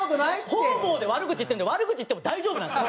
方々で悪口言ってるんで悪口言っても大丈夫なんです。